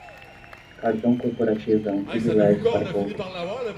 Cartão corporativo é um privilégio para poucos